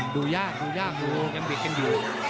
ดูยากดูยากดูยังบิดกันอยู่